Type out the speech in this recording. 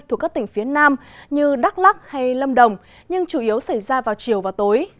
thuộc các tỉnh phía nam như đắk lắc hay lâm đồng nhưng chủ yếu xảy ra vào chiều và tối